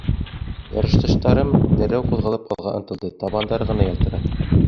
Ярышташтарым дәррәү ҡуҙғалып алға ынтылды, табандары ғына ялтырай.